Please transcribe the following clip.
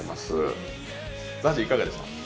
ＺＡＺＹいかがでした？